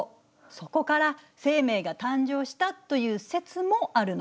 そこから生命が誕生したという説もあるの。